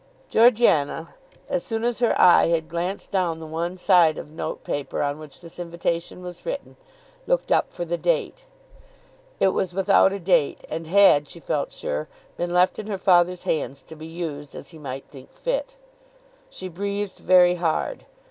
Georgiana, as soon as her eye had glanced down the one side of note paper on which this invitation was written, looked up for the date. It was without a date, and had, she felt sure, been left in her father's hands to be used as he might think fit. She breathed very hard.